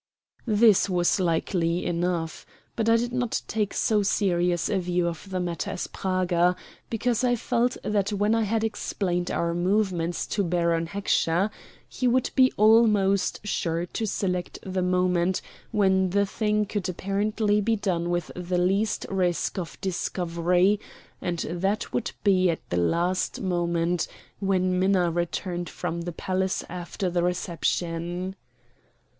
This was likely enough, but I did not take so serious a view of the matter as Praga, because I felt that when I had explained our movements to Baron Heckscher he would be almost sure to select the moment when the thing could apparently be done with the least risk of discovery, and that would be at the last moment, when Minna returned from the palace after the reception.